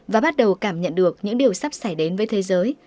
và bắt đầu cảm nhận được những điều sắp xảy đến với thế giới